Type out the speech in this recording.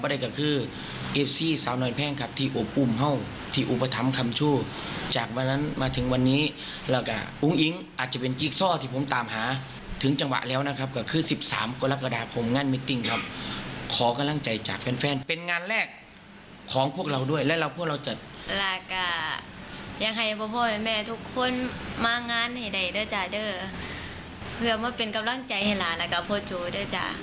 แล้วก็อยากให้พ่อพ่อแม่แม่ทุกคนมางานให้ได้ด้วยจ้ะเพื่อมาเป็นกำลังใจให้หลากับพ่อจู๊ด้วยจ้ะ